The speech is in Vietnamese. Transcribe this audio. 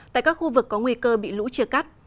tại các khu vực có nguy cơ bị lũ chia cắt